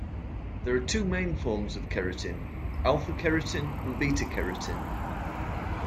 There are two main forms of keratin, alpha-keratin and beta-keratin.